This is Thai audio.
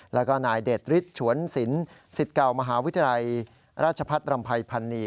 แล้วก็นายเดชฤทธิ์ฉวนสินสิทธิ์เก่ามหาวิทยาลัยราชพัฒน์รำภัยพันนี